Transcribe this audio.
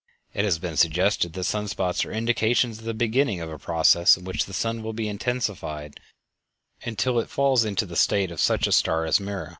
It has been suggested that sun spots are indications of the beginning of a process in the sun which will be intensified until it falls into the state of such a star as Mira.